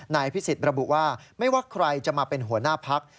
นายพิสิทธิ์ระบุว่าไม่ว่าใครจะมาเป็นหัวหน้าพัก